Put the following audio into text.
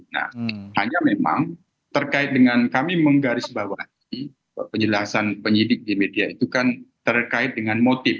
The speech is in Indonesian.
nah hanya memang terkait dengan kami menggarisbawahi penjelasan penyidik di media itu kan terkait dengan motif